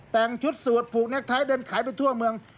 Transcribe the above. แต่งชุดสวดผูกแก๊กไทยเดินขายไปทั่วเมือง